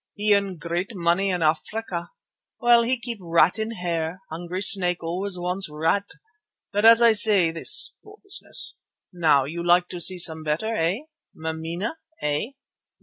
He earn great money in Africa. Well, he keep rat in hair; hungry snake always want rat. But as I say, this poor business. Now you like to see some better, eh? Mameena, eh?"